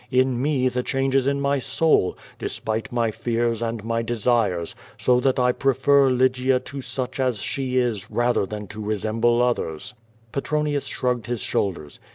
In me the change is in my soul, despite my fears and my desires, so that I prefer Lygia to be such as she is rather than to resemble others." Petronius shrugged his shoulders.